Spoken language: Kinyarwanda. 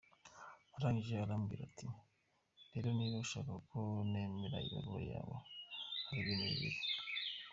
Arangije arambwira ati rero niba ushaka ko nemera ibaruwa yawe, hari ibintu bibiri.